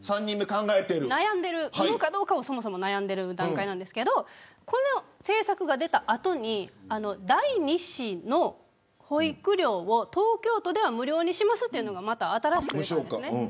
産むかどうかをそもそも悩んでる段階なんですけどこの政策が出た後に第２子の保育料を東京都では無料にしますというのが新しく出たんです。